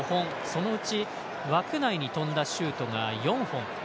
そのうち枠内に飛んだシュートが４本。